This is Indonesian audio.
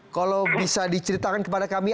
kalau bisa diceritakan kepada kami